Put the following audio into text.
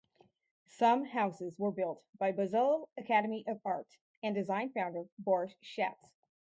Some houses were built by Bezalel Academy of Art and Design founder Boris Schatz.